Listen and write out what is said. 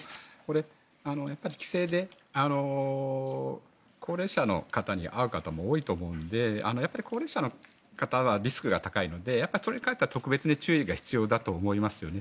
やっぱり帰省で高齢者の方に会う方も多いと思うのでやっぱり高齢者の方はリスクが高いので特別に注意が必要だと思いますよね。